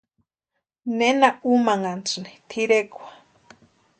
¿Nena umanhantasïni terekwa?